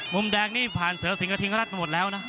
มุมแดงนี่ผ่านเสือสิงกระทิงรัฐมาหมดแล้วนะ